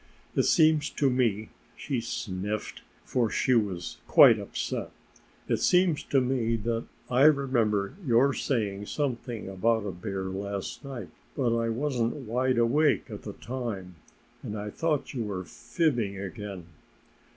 "It seems to me " she sniffed for she was quite upset "it seems to me that I remember your saying something about a bear last night. But I wasn't wide awake at the time. And I thought you were fibbing again.